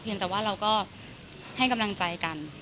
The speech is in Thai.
แต่ว่าเราก็ให้กำลังใจกัน